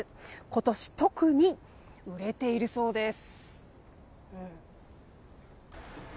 今年、特に売れているそうです。